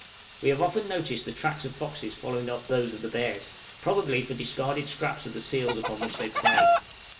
We have often noticed the tracks of foxes following up those of the bears, probably for discarded scraps of the seals upon which they prey.